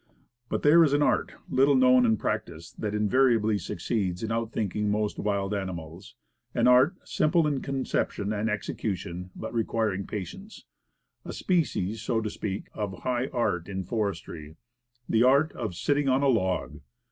But there is an art, little known and practiced, that invariably succeeds in outflanking most wild ani mals; an art, simple in conception and execution, but requiring patience; a species, so to speak, of high art in forestry the art of "sitting on a log."